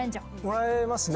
もらえますね。